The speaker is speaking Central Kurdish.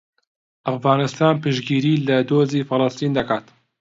ئەفغانستان پشتگیری لە دۆزی فەڵەستین دەکات.